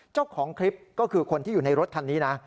เจ้าของคลิปก็คือคนที่อยู่ในรถคันนี้นะ